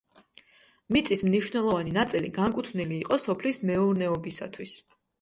მიწის მნიშვნელოვანი ნაწილი განკუთვნილი იყო სოფლის მეურნეობისათვის.